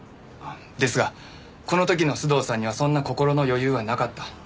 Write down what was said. ですがこの時の須藤さんにはそんな心の余裕はなかった。